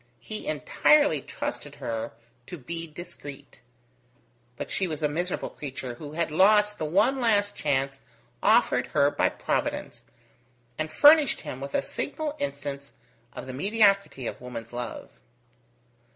He entirely trusted her to be discreet; but she was a miserable creature, who had lost the one last chance offered her by Providence, and furnished him with a signal instance of the mediocrity of woman's love.